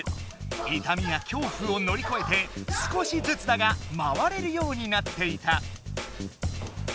いたみやきょうふをのりこえて少しずつだが回れるようになっていた。